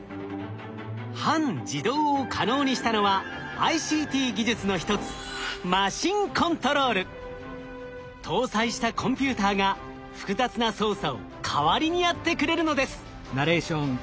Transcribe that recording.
半自動を可能にしたのはＩＣＴ技術の一つ搭載したコンピューターが複雑な操作を代わりにやってくれるのです。